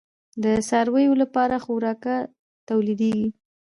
د څارویو لپاره خوراکه تولیدیږي؟